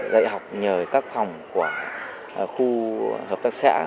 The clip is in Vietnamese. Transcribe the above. dạy học nhờ các phòng của khu hợp tác xã